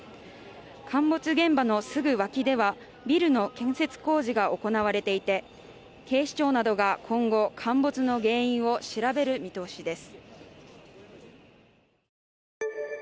陥没現場のすぐ脇ではビルの建設工事が行われていて警視庁などが今後陥没の原因を調べる見通しです